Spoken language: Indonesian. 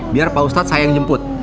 biar pak ustadz saya yang jemput